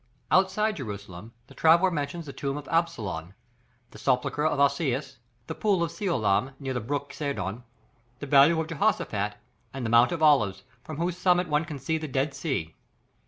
Outside Jerusalem, the traveller mentions the tomb of Absalom, the sepulchre of Osias, the pool of Siloam, near the brook Cedron, the valley of Jehoshaphat, and the Mount of Olives, from whose summit one can see the Dead Sea.